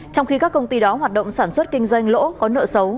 trong khi các công ty đó hoạt động sản xuất kinh doanh lỗ có nợ xấu